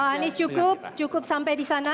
pak anies cukup cukup sampai disana